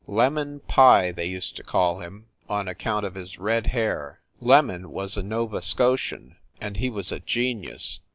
"Lemon" Pye they used to call him, on account of his red hair. "Lemon" was a Nova Scotian, and he was a genius.